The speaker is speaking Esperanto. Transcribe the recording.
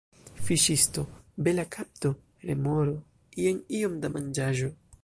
Fiŝisto: "Bela kapto, remoro. Jen iom da manĝaĵo."